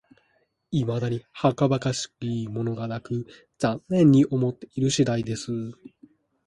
いまだにはかばかしいものがなく、残念に思っている次第です